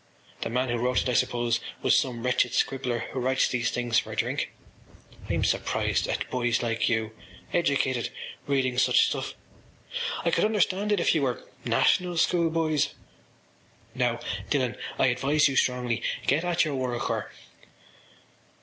The man who wrote it, I suppose, was some wretched fellow who writes these things for a drink. I’m surprised at boys like you, educated, reading such stuff. I could understand it if you were ... National School boys. Now, Dillon, I advise you strongly, get at your work or....